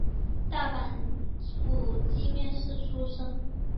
大阪府箕面市出生。